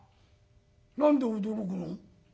「何で驚くの？